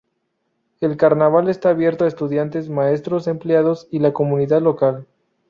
El carnaval está abierto a estudiantes, maestros, empleados y la comunidad local.